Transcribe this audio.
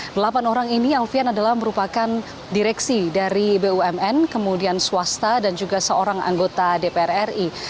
delapan orang ini alfian adalah merupakan direksi dari bumn kemudian swasta dan juga seorang anggota dpr ri